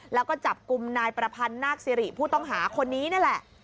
แล้วก็จับกลุ่มนายประพันธ์นาคสิริผู้ต้องหาคนนี้นี่แหละ